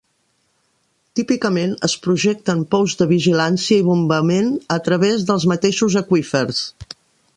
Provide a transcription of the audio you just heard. Típicament es projecten pous de vigilància i bombament a través dels mateixos aqüífers.